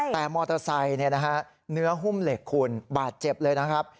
แต่มอเตอร์ไซค์เนื้อหุ้มเหล็กคุณบาดเจ็บเลยนะครับ